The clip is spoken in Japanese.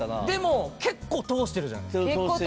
でも結構通してるじゃないですか。